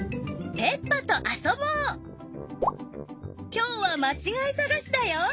今日はまちがいさがしだよ。